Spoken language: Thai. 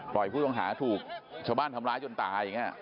ผู้ต้องหาถูกชาวบ้านทำร้ายจนตายอย่างนี้